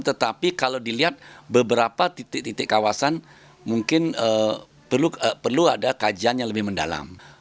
tetapi kalau dilihat beberapa titik titik kawasan mungkin perlu ada kajian yang lebih mendalam